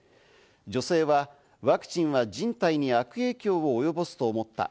女性はワクチンは人体に悪影響を及ぼすと思った。